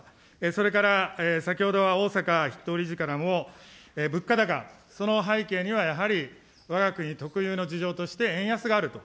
それから先ほどは逢坂筆頭理事からも、物価高、その背景にはやはり、わが国特有の事情として、円安があると。